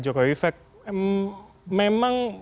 jokowi vek memang